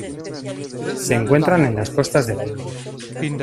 Se encuentran en las costas de la India.